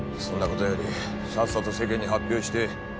そんなことよりさっさと世間に発表して